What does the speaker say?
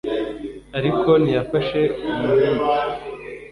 ariko ntiyafashe umuhigi